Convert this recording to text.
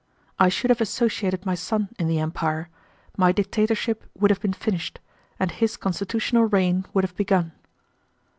I should have associated my son in the Empire; my dictatorship would have been finished, and his constitutional reign would have begun.